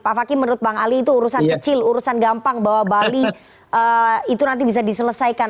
pak fakih menurut bang ali itu urusan kecil urusan gampang bahwa bali itu nanti bisa diselesaikan